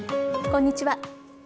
こんにちは。